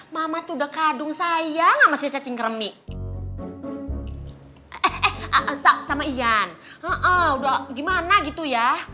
mama tuh udah kadung sayang sama si cacing kremi eh eh eh sama iyan udah gimana gitu ya